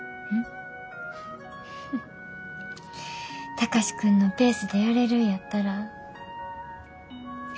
貴司君のペースでやれるんやったらええな。